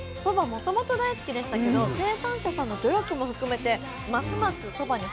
もともと大好きでしたけど生産者さんの努力も含めてますますそばに惚れました。